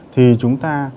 thì chúng ta